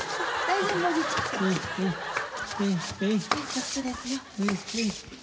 そっちですよ。